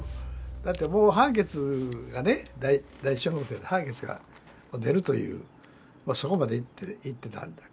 だってもう判決がね第一小法廷で判決が出るというそこまでいってたんだからね。